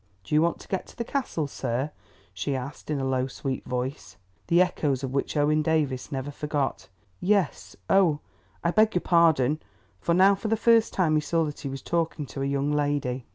"Do you want to get to the Castle, sir?" she asked in a low sweet voice, the echoes of which Owen Davies never forgot. "Yes—oh, I beg your pardon," for now for the first time he saw that he was talking to a young lady.